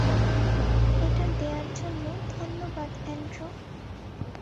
এটা দেয়ার জন্য ধন্যবাদ, অ্যান্ড্রু।